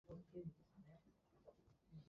水の呼吸陸ノ型ねじれ渦（ろくのかたねじれうず）